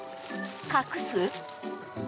隠す？